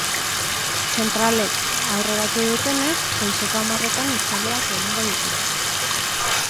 Zentralek aurreratu dutenez, goizeko hamarretan hitzaldiak egingo dituzte.